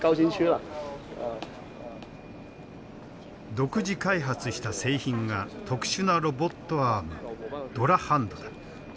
独自開発した製品が特殊なロボットアームドラハンドだ。